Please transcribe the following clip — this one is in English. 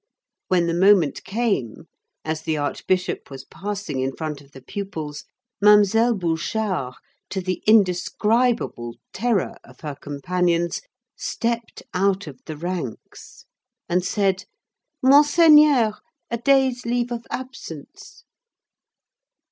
When the moment came, as the archbishop was passing in front of the pupils, Mademoiselle Bouchard, to the indescribable terror of her companions, stepped out of the ranks, and said, "Monseigneur, a day's leave of absence."